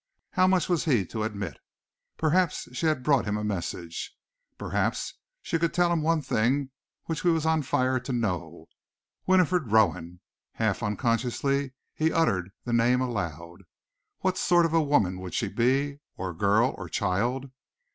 How much was he to admit? Perhaps she had brought him a message. Perhaps she could tell him the one thing which he was on fire to know. Winifred Rowan! Half unconsciously he uttered the name aloud. What sort of a woman would she be, or girl, or child?